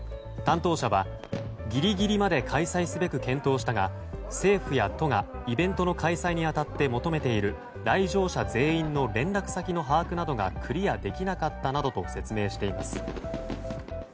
担当者はぎりぎりまで開催すべく検討したが政府や都がイベントの開催に当たって求めている来場者全員の連絡先の把握などがクリアできなかったなどと説明しています。